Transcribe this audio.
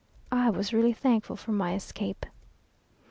I was really thankful for my escape.